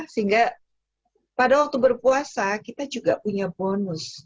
sehingga pada waktu berpuasa kita juga punya bonus